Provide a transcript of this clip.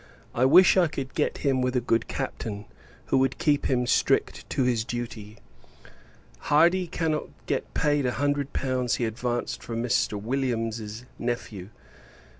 I wish I could get him with a good Captain, who would keep him strict to his duty. Hardy cannot get paid a hundred pounds he advanced for Mr. Williams's nephew.